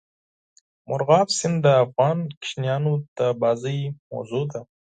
مورغاب سیند د افغان ماشومانو د لوبو موضوع ده.